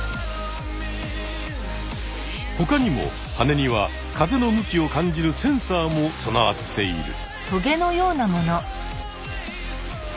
ほかにもはねには風の向きを感じるセンサーも備わっている。